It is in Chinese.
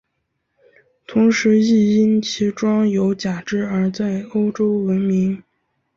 同时亦因其装有假肢而在欧洲闻名。